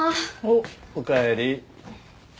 おっおかえり。